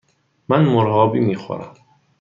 من مرغابی می خورم.